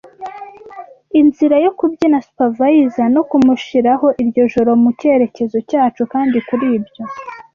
inzira yo kubyina Supervisor no kumushiraho iryo joro mu cyerekezo cyacu, kandi kuri ibyo